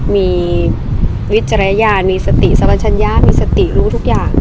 มีวิจารยะมีสติสะวัญชญามีสติรู้ทุกอย่าง